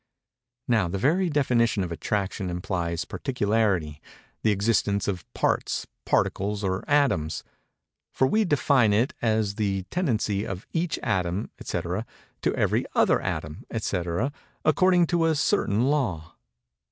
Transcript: Page 37. Now the very definition of Attraction implies particularity—the existence of parts, particles, or atoms; for we define it as the tendency of "each atom &c. to every other atom" &c. according to a certain law.